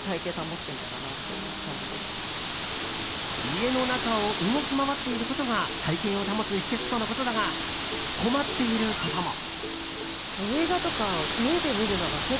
家の中を動き回っていることが体形を保つ秘訣とのことだが困っていることも。